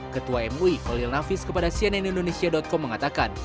ketua mui holil nafis kepada cnn indonesia com mengatakan